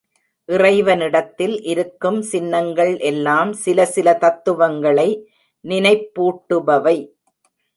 இறைவனிடத்தில் இருக்கும் சின்னங்கள் எல்லாம் சில சில தத்துவங்களை நினைப்பூட்டுபவை.